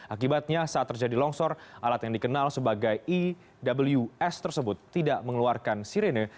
akibatnya saat terjadi longsor alat yang dikenal sebagai ews tersebut tidak mengeluarkan sirene